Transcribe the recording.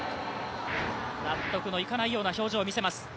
納得のいかないような表情を見せます。